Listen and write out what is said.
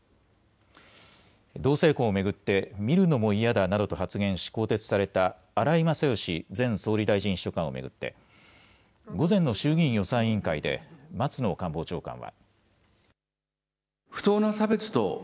同性婚を巡って見るのも嫌だなどと発言し更迭された荒井勝喜前総理大臣秘書官を巡って午前の衆議院予算委員会で松野官房長官は。